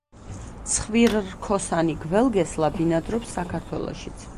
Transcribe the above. ცხვირრქოსანი გველგესლა ბინადრობს საქართველოშიც.